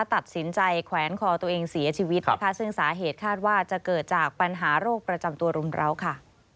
ตัดสินใจแขวนคอตัวเองเสียชีวิตนะคะซึ่งสาเหตุคาดว่าจะเกิดจากปัญหาโรคประจำตัวรุมร้าวค่ะ